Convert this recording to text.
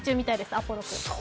アポロ君。